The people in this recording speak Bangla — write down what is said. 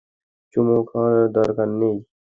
চুমো খাওয়ার দরকার নেই।